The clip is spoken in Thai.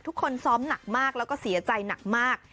ทุกคนซ้อมหนักมากแล้วก็เสียใจหนักมาก